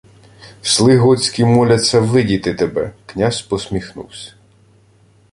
— Сли готські моляться видіти тебе. Князь посміхнувсь: